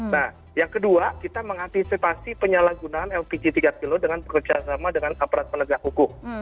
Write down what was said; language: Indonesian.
nah yang kedua kita mengantisipasi penyalahgunaan lpg tiga kg dengan bekerjasama dengan aparat penegak hukum